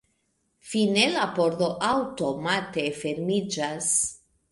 Fine la pordo aŭtomate fermiĝas.